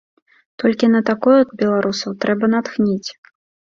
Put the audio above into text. Толькі на такое беларусаў трэба натхніць.